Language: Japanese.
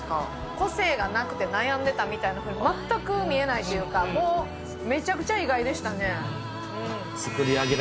個性がなくて悩んでたみたいに全く見えないというか、もうめちゃくちゃ意外でしたね。